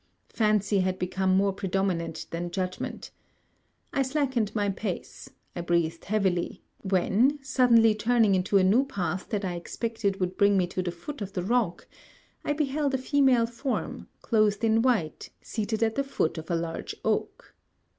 Fancy had become more predominant than judgment. I slackened my pace: I breathed heavily: when, suddenly turning into a new path that I expected would bring me to the foot of the rock, I beheld a female form, clothed in white, seated at the foot of a large oak.